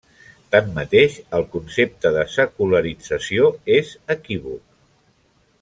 Tanmateix, el concepte de secularització és equívoc.